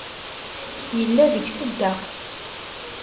Yella deg-s ddeqs.